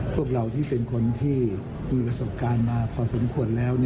พวกเราที่เป็นคนที่มีประสบการณ์มาพอสมควรแล้ว